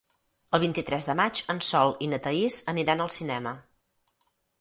El vint-i-tres de maig en Sol i na Thaís aniran al cinema.